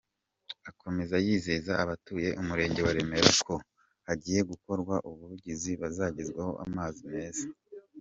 Akomeza yizeza abatuye umurenge wa Remera ko hagiye gukorwa ubuvugizi bakazagezwaho amazi meza.